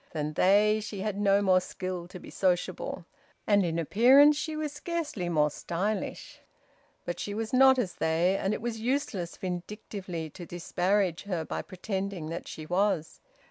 Than they, she had no more skill to be sociable. And in appearance she was scarcely more stylish. But she was not as they, and it was useless vindictively to disparage her by pretending that she was.